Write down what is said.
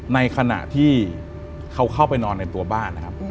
ในขณะที่เขาเข้าไปนอนในตัวบ้านนะครับ